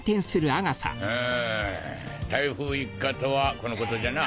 うん台風一過とはこのことじゃな！